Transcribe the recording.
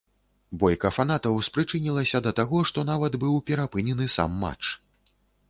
Бойка фанатаў спрычынілася да таго, што нават быў перапынены сам матч.